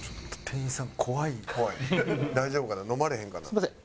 すみません。